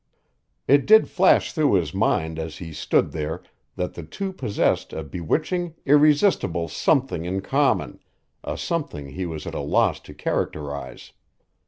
It did flash through his mind as he stood there that the two possessed a bewitching, irresistible something in common, a something he was at a loss to characterize.